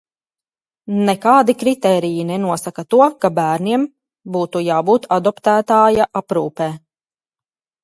Nekādi kritēriji nenosaka to, ka bērniem būtu jābūt adoptētāja aprūpē.